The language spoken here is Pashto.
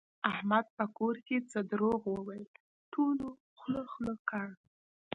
احمد په کور کې څه دروغ وویل ټولو خوله خوله کړ.